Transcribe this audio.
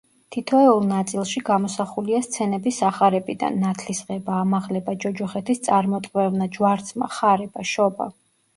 თითოეულ ნაწილში გამოსახულია სცენები სახარებიდან: ნათლისღება, ამაღლება, ჯოჯოხეთის წარმოტყვევნა, ჯვარცმა, ხარება, შობა.